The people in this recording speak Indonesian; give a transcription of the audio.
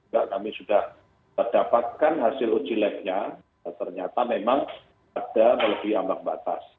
kita sudah mendapatkan hasil uji lab nya ternyata memang ada lebih amat berhasil